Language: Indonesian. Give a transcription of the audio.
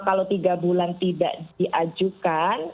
kalau tiga bulan tidak diajukan